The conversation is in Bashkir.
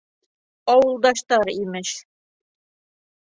Ауылдаштар, имеш.